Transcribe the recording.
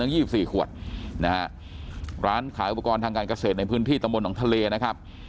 ยี่สิบสี่ขวดนะฮะร้านขายอุปกรณ์ทางการเกษตรในพื้นที่ตำบลหนองทะเลนะครับ